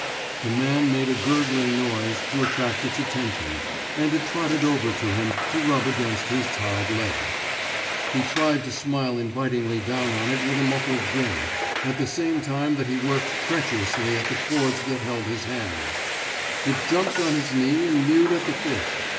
The man made a gurgling noise, to attract its attention, and it trotted over to him to rub against his tied leg. He tried to smile 85 <; THE SMOKE EATEES invitingly down on it with a muffled grin, at the same time that he worked treacherously at the cords that held his hands. It jumped on his knee and mewed at the fish.